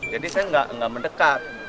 jadi saya nggak mendekat